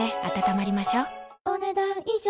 お、ねだん以上。